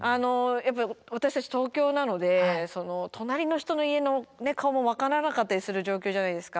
私たち東京なので隣の人の家の顔も分からなかったりする状況じゃないですか。